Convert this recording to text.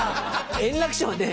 円楽師匠はね